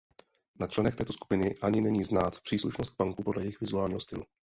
Na členech této skupiny ani není znát příslušnost k punku podle jejich vizuálního stylu.